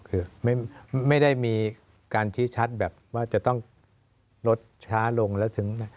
คือไม่ได้มีการชี้ชัดแบบว่าจะต้องลดช้าลงแล้วถึง